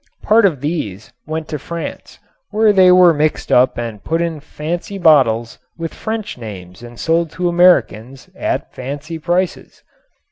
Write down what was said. Part of these went to France, where they were mixed and put up in fancy bottles with French names and sold to Americans at fancy prices.